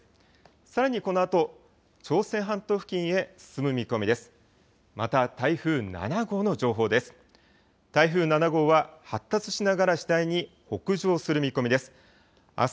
さらにこのあと、朝鮮半島付近へ進む見込みです。